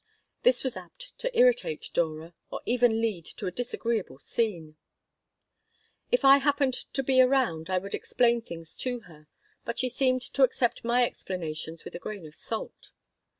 This was apt to irritate Dora or even lead to a disagreeable scene If I happened to be around I would explain things to her, but she seemed to accept my explanations with a grain of salt.